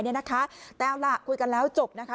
แต่เอาล่ะคุยกันแล้วจบนะคะ